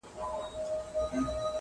یو گوزار يې ورته ورکړ ناگهانه!.